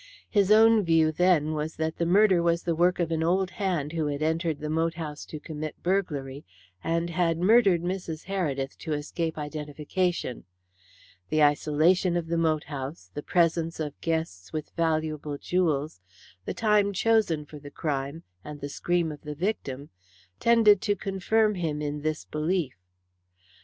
His own view then was that the murder was the work of an old hand who had entered the moat house to commit burglary, and had murdered Mrs. Heredith to escape identification. The isolation of the moat house, the presence of guests with valuable jewels, the time chosen for the crime, and the scream of the victim, tended to confirm him in this belief.